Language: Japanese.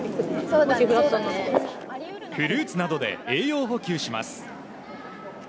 フルーツなどで栄養補給します。